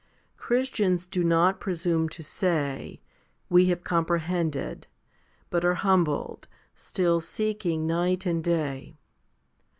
Christians do not presume to say, " We have comprehended," 3 but are humbled, still seeking night and day.